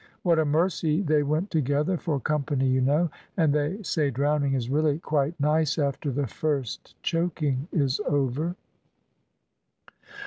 What a mercy they went together for company, you know; and they say drowning is really quite nice after the first choking is over."